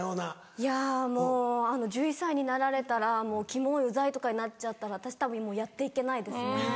いやもう１１歳になられたら「キモいうざい」になっちゃったら私たぶんやって行けないですね。